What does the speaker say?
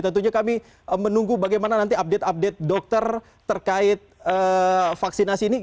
tentunya kami menunggu bagaimana nanti update update dokter terkait vaksinasi ini